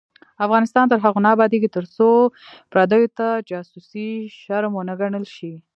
افغانستان تر هغو نه ابادیږي، ترڅو پردیو ته جاسوسي شرم ونه ګڼل شي.